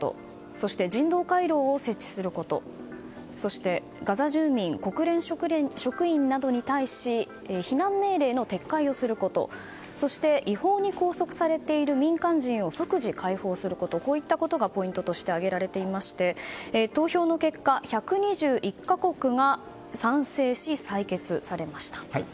そして人道回廊を設置することそしてガザ住民国連職員などに対し避難命令の撤回をすることそして、違法に拘束されている民間人を即時解放することなどがポイントとして挙げられていまして投票の結果１２１か国が賛成し採決されました。